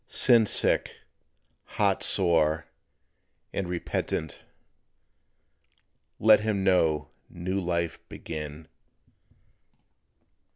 Sin sick, heart sore and repentant, Let him now new life begin.